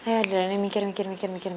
ya udah deh nih mikir mikir mikir mikir